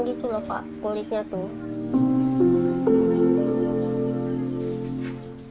gitu loh pak kulitnya tuh